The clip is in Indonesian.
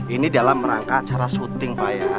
ini dalam rangka acara syuting pak ya